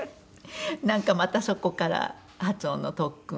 なんかまたそこから発音の特訓を受けて。